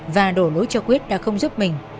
và đổ lối cho quyết đã không giúp mình